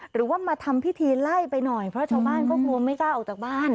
หรือว่ามาทำพิธีไล่ไปหน่อยเพราะชาวบ้านก็กลัวไม่กล้าออกจากบ้าน